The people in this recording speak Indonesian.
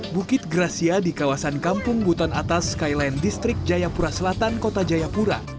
bukit gracia di kawasan kampung buton atas skyline distrik jayapura selatan kota jayapura